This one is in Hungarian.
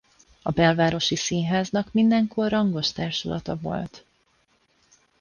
A Belvárosi Színháznak mindenkor rangos társulata volt.